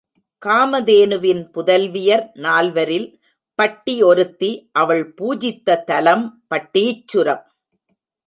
காமதேனுவின் புதல்வியர் நால்வரில் பட்டி ஒருத்தி, அவள் பூஜித்த தலம் பட்டீச்சுரம்.